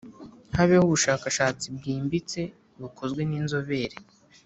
habeho ubushakashatsi bwimbitse bukozwe n inzobere